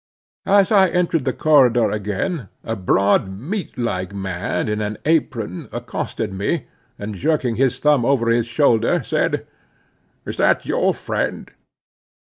As I entered the corridor again, a broad meat like man, in an apron, accosted me, and jerking his thumb over his shoulder said—"Is that your friend?"